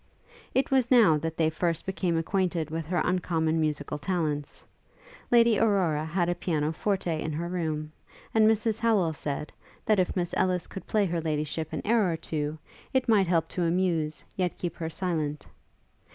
It was now that they first became acquainted with her uncommon musical talents. Lady Aurora had a piano forte in her room; and Mrs Howel said, that if Miss Ellis could play Her Ladyship an air or two, it might help to amuse, yet keep her silent.